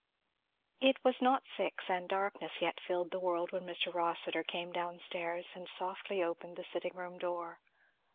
It was not six, and darkness yet filled the world, when Mr. Rossitur came down stairs and softly opened the sitting room door.